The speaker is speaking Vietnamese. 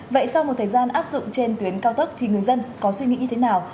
vậy sau một thời gian áp dụng trên tuyến cao tốc thì người dân có suy nghĩ như thế nào